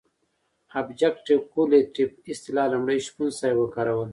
ابجګټف کورلیټف اصطلاح لومړی شپون صاحب وکاروله.